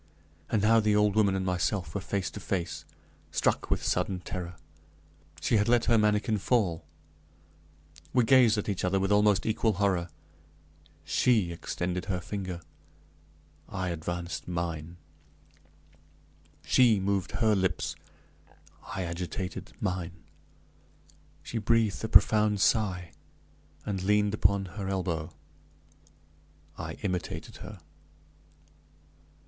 And now the old woman and myself were face to face. Struck with sudden terror, she had let her manikin fall! We gazed at each other with almost equal horror. She extended her finger I advanced mine. She moved her lips I agitated mine. She breathed a profound sigh, and leaned upon her elbow. I imitated her.